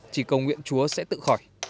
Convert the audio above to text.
chỉ cầu nguyện chúa sẽ tự khỏi